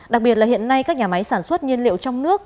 đặc biệt là hiện nay các nhà máy sản xuất nhiên liệu trong nước